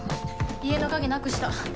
家の鍵なくした。